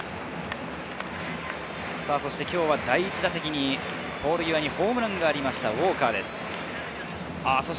今日は第１打席にホームランがありました、ウォーカーです。